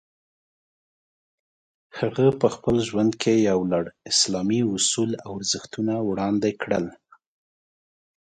هغه په خپل ژوند کې یو لوړ اسلامي اصول او ارزښتونه وړاندې کړل.